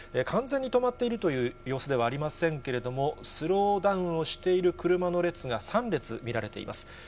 完全に止まっているという様子ではありませんけれども、スローダウンをしている車の列が、３列見られています。